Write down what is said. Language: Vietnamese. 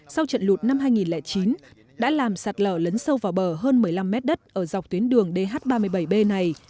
sau trận lụt năm hai nghìn chín đã làm sạt lở lấn sâu vào bờ hơn một mươi năm mét đất ở dọc tuyến đường dh ba mươi bảy b này